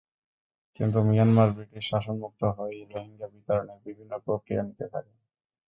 কিন্তু Myanmar British শাসনমুক্ত হয়েই রোহিঙ্গা বিতাড়নের বিভিন্ন প্রক্রিয়া নিতে থাকে।